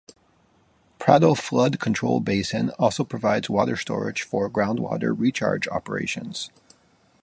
Prado Flood Control Basin also provides water storage for groundwater recharge operations.